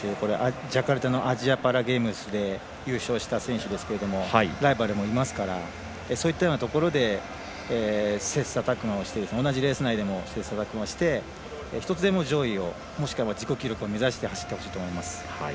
ジャカルタのアジアパラゲームスで優勝した選手ですけどもライバルにいますからそういったようなところで同じレース内でも切さたく磨して１つ上の記録もしくは自己記録を目指して走ってほしいと思います。